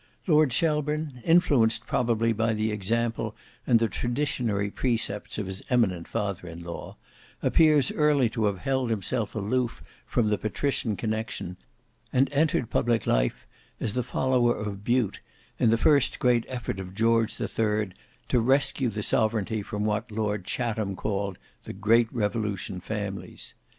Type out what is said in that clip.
Lord Shelburne, influenced probably by the example and the traditionary precepts of his eminent father in law, appears early to have held himself aloof from the patrician connection, and entered public life as the follower of Bute in the first great effort of George the Third to rescue the sovereignty from what Lord Chatham called "the Great Revolution families."